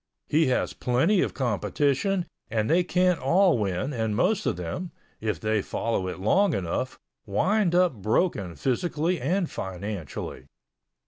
He has plenty of competition and they can't all win and most of them, if they follow it long enough, wind up broken physically and financially.